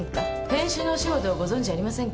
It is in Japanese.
編集のお仕事をご存じありませんか？